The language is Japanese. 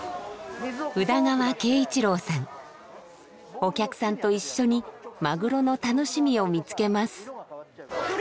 お客さんと一緒にマグロの楽しみを見つけます。